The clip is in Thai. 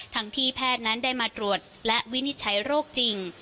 ที่แพทย์นั้นได้มาตรวจและวินิจฉัยโรคจริง